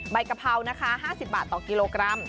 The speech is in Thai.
กะเพรานะคะ๕๐บาทต่อกิโลกรัม